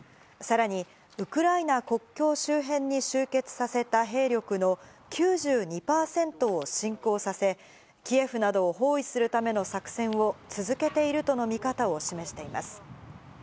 さらにウクライナ国境周辺に集結させた兵力の９２％を侵攻させ、キエフなどを包囲するための作戦を続けているとの見方を示しています。